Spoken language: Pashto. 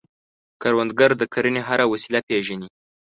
کروندګر د کرنې هره وسیله پېژني